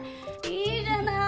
いいじゃない。